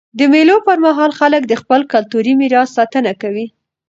د مېلو پر مهال خلک د خپل کلتوري میراث ساتنه کوي.